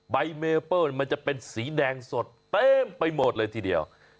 ใบเมเปิ้ลมันจะเป็นสีแดงสดเต็มไปหมดเลยทีเดียว